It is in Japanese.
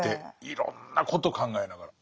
いろんなことを考えながら。